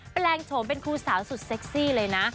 แปลงโฉมเป็นครูสาวสุดเซ็กซี่เลยนะ